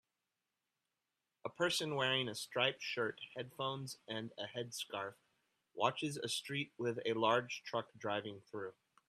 A person wearing a striped shirt headphones and a headscarf watches a street with a large truck driving through